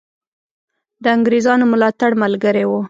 د انګرېزانو ملاتړ ملګری وو.